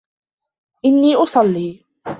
إني أصلي